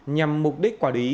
nhằm mục đích quả lý